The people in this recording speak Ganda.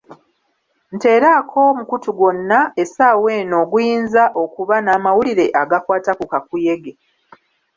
Nteerako omukutu gwonna essaawa eno oguyinza okuba n'amawulire agakwata ku kakuyege.